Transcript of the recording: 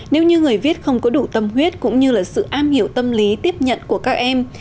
nếu như người viết không có đủ tâm huyết cũng như là sự am hiểu tâm lý tiếp nhận của các em